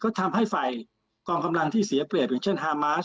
ก็ทำให้ฝ่ายกองกำลังที่เสียเปรียบอย่างเช่นฮามาส